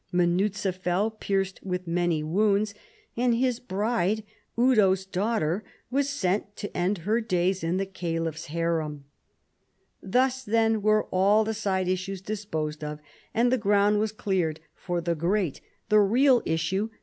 Munuza fell pierced w^ith many wounds, and his bride, Eudo's daughter, was sent to end her days in the Caliph's harem. Thus then were all the side issues disposed of, and the ground was cleared for the great, the real issue PIPPIN OF HERISTAL AND CHARLES MARTEL.